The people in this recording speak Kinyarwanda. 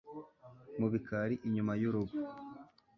Mu bikari inyuma y'urugo